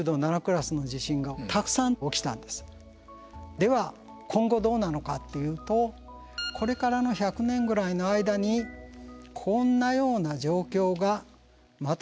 では今後どうなのかっていうとこれからの１００年ぐらいの間にこんなような状況がまた起きるんではないか。